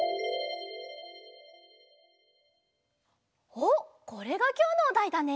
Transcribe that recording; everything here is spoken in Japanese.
おっこれがきょうのおだいだね？